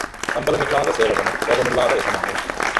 சம்பளம் இல்லாத சேவகனும், கோபமில்லாத எசமானும்.